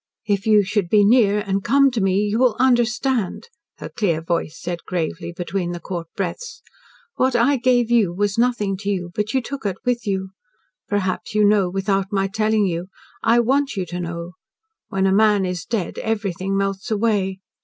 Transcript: "If you should be near, and come to me, you will understand," her clear voice said gravely between the caught breaths, "what I gave you was nothing to you but you took it with you. Perhaps you know without my telling you. I want you to know. When a man is dead, everything melts away.